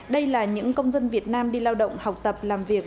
đây là những công dân việt nam đi lao động học tập làm việc